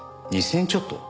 ２０００円ちょっと？